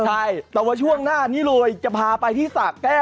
ใช่แต่ว่าช่วงหน้านี้เลยจะพาไปที่สะแก้ว